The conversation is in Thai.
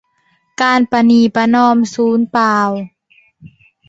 การประนีประนอมสูญเปล่า